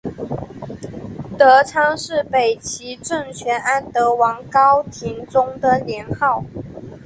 德昌是北齐政权安德王高延宗的年号。